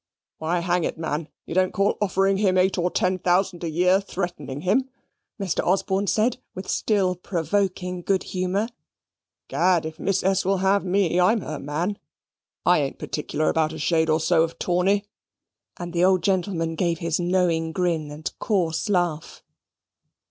"Why, hang it, man, you don't call offering him eight or ten thousand a year threatening him?" Mr. Osborne said, with still provoking good humour. "'Gad, if Miss S. will have me, I'm her man. I ain't particular about a shade or so of tawny." And the old gentleman gave his knowing grin and coarse laugh.